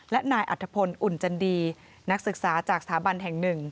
และนายอัฐพลอุ่นจันดีนักศึกษาจากสถาบันแห่งหนึ่ง